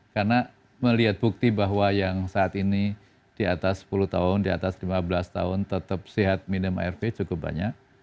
karena melihat bukti bahwa yang saat ini di atas sepuluh tahun di atas lima belas tahun tetap sehat minum air v cukup banyak